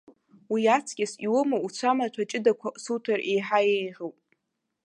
Уи аҵкьыс, иумоу уцәамаҭәа ҷыдақәа суҭар иаҳа еиӷьуп.